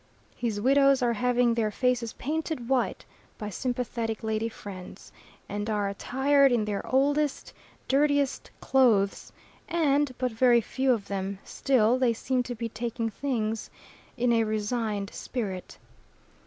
His widows are having their faces painted white by sympathetic lady friends, and are attired in their oldest, dirtiest clothes, and but very few of them; still, they seem to be taking things in a resigned spirit.